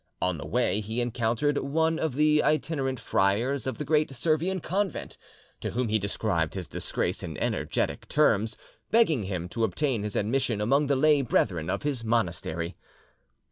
On the way he encountered one of the itinerant friars of the great Servian convent, to whom he described his disgrace in energetic terms, begging him to obtain his admission among the lay brethren of his monastery.